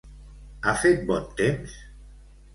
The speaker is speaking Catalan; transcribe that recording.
Ha fet bon temps?